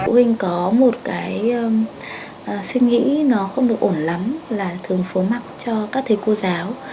tụi mình có một cái suy nghĩ nó không được ổn lắm là thường phối mặt cho các thầy cô giáo